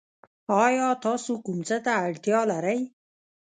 ایا تاسو کوم څه ته اړتیا لرئ؟